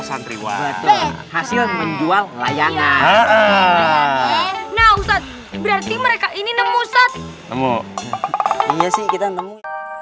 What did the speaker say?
santriwan hasil menjual layangan nah berarti mereka ini nemu setemu iya sih kita nemu